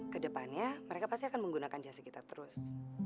ke depannya mereka pasti akan menggunakan jasa kita terus